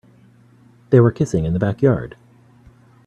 They were kissing in the backyard.